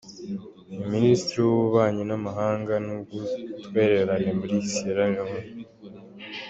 Ni Minisitiri w’Ububanyi n’Amahanga n’Ubutwererane muri Sierra-Léone.